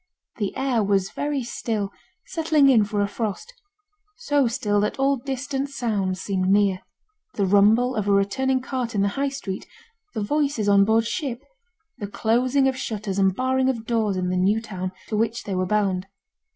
The air was very still, settling in for a frost; so still that all distant sounds seemed near: the rumble of a returning cart in the High Street, the voices on board ship, the closing of shutters and barring of doors in the new town to which they were bound.